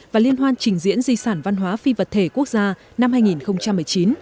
và liên hoan trình diễn di sản văn hóa phi vật thể quốc gia năm hai nghìn một mươi chín